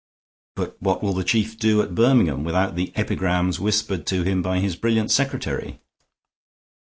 "But what will the Chief do at Birmingham without the epigrams whispered to him by his brilliant secretary?"